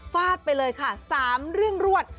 ฟาดไปเลยค่ะ๓เรื่องรวด